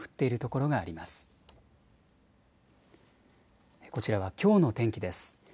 こちらはきょうの天気です。